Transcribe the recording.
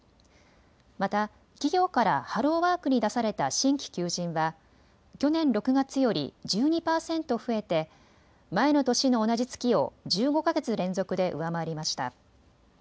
また企業からハローワークに出された新規求人は去年６月より１２％増えて前の年の同じ月を１５か月連続で上回りました。